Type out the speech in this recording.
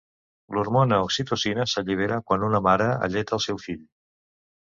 L'hormona oxitocina s'allibera quan una mare alleta el seu fill.